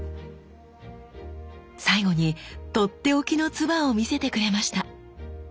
最後にとっておきの鐔を見せてくれました。